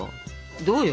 どうよ？